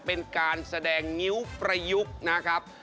เป็นการแสดงงิ้วประยุกต์นะครับ